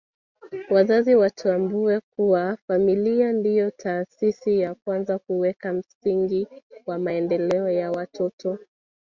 Wazazi watambue kuwa familia ndio taasisi ya kwanza kuweka msingi wa maendeleo ya watoto